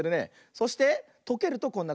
そしてとけるとこんなかんじ。